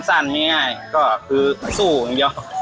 สั่นไม่ง่ายก็คือสู่เงียบ